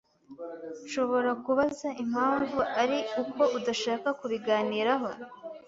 Nshobora kubaza impamvu ari uko udashaka kubiganiraho?